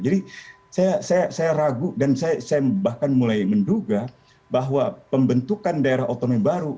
jadi saya ragu dan saya bahkan mulai menduga bahwa pembentukan daerah otonomi baru